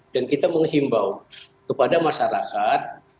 dan kita menghimbau kepada masyarakat